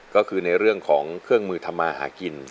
ก็คือในเรื่องของเครื่องมือทำมาหากิน